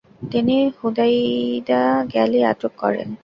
তিনি Huwaida Ghali আটক করেন।